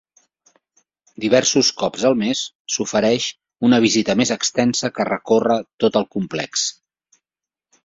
Diversos cops al mes s'ofereix una visita més extensa que recorre tot el complex.